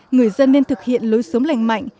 người dân nên thực hiện lối sống lành mạnh